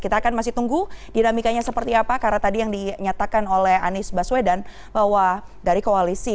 kita akan masih tunggu dinamikanya seperti apa karena tadi yang dinyatakan oleh anies baswedan bahwa dari koalisi